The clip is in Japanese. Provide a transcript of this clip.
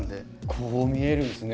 こう見えるんですね